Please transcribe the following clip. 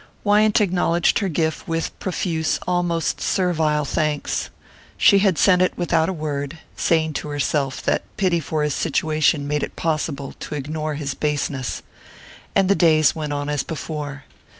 Wyant acknowledged her gift with profuse, almost servile thanks. She had sent it without a word saying to herself that pity for his situation made it possible to ignore his baseness. And the days went on as before.